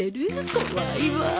怖いわあ！